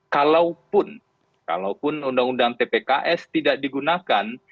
kalau pun kalau pun undang undang tpks tidak digunakan